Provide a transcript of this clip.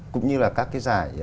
cũng như là các cái giải